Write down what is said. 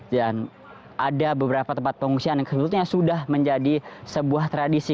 dan ada beberapa tempat pengungsian yang keseluruhannya sudah menjadi sebuah tradisi